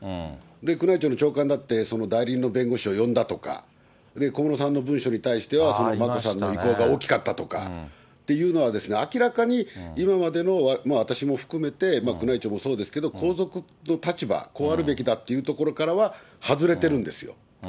宮内庁の長官だって代理人の弁護士を呼んだとか、小室さんの文書に対しては眞子さんの意向が大きかったとかっていうのは、明らかに今までの私も含めて、宮内庁もそうですけど、皇族の立場、こうあるべきだっていうところからは外れてるんですよ。